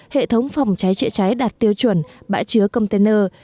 hệ thống phòng cháy chữa cháy đạt tiêu chuẩn bãi chứa container